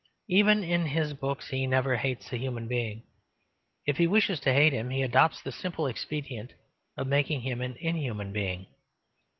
Even in his books he never hates a human being. If he wishes to hate him he adopts the simple expedient of making him an inhuman being.